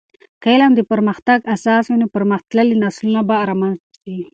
که علم د پرمختګ اساس وي، نو پرمختللي نسلونه به رامنځته سي.